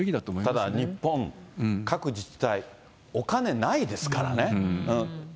ただ、日本、各自治体、お金ないですからね。